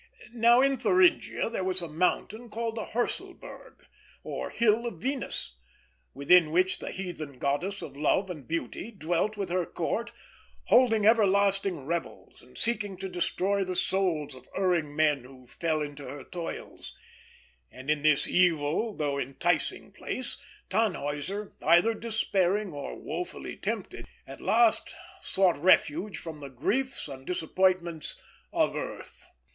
Now, in Thuringia, there was a mountain called the Hörselberg, or Hill of Venus, within which the heathen goddess of Love and Beauty dwelt with her Court, holding everlasting revels, and seeking to destroy the souls of erring men who fell into her toils; and in this evil, though enticing place, Tannhäuser (either despairing or woefully tempted) at last sought refuge from the griefs and disappointments of earth.